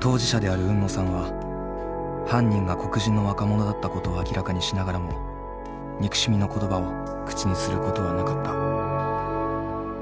当事者である海野さんは犯人が黒人の若者だったことを明らかにしながらも憎しみの言葉を口にすることはなかった。